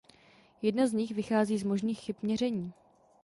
Jedna z nich vychází z možných chyb měření.